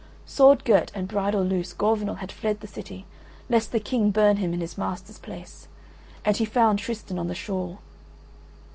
Sword girt and bridle loose, Gorvenal had fled the city, lest the King burn him in his master's place: and he found Tristan on the shore.